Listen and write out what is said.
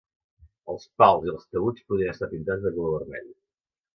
Els pals i els taüts podien estar pintats de color vermell.